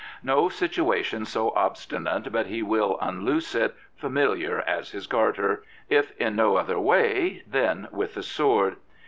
No situation so obstinate but he will unloose it, " familiar as his garter," if in no other way, then with the sword.